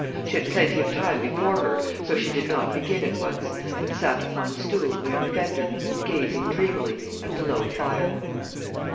She had plenty of time before her, so she did not begin at once, but sat upon a stool near the fender, gazing dreamily at the low fire.